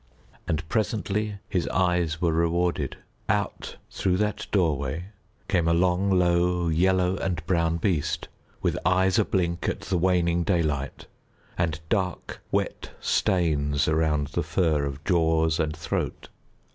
And presently his eyes were rewarded: out through that doorway came a long, low, yellow and brown beast, with eyes a blink at the waning daylight, and dark wet stains around the fur of jaws and throat.